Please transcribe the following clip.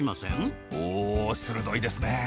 お鋭いですね！